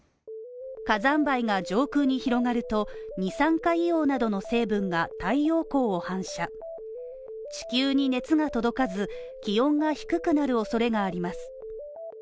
火山灰が上空に広がると、二酸化硫黄などの成分が太陽光を反射し急に熱が届かず、気温が低くなるおそれがあります。